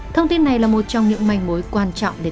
thông tin này là một trong những thông tin đáng nhớ